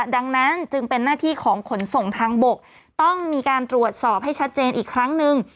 ดังนั้นจึงเป็นหน้าที่ของขนส่งทางบกต้องมีการตรวจสอบให้ชัดเจนอีกครั้งนึง